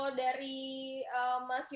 kalau dari mas yogy sendiri gimana nih